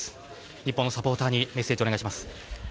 日本のサポーターにメッセージをお願いします。